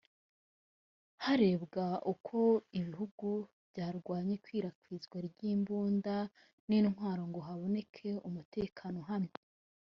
harebwa uko ibihugu byarwanya ikwirakwizwa ry’imbunda n’intwaro ngo haboneke umutekano uhamye